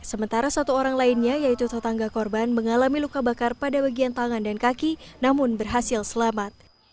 sementara satu orang lainnya yaitu tetangga korban mengalami luka bakar pada bagian tangan dan kaki namun berhasil selamat